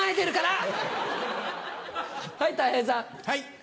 はい。